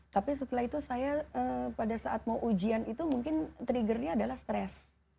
tapi setelah itu saya pada saat mau ujian itu mungkin triggernya adalah stres